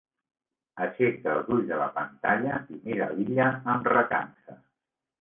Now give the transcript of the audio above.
Aixeca els ulls de la pantalla i mira l'Illa amb recança.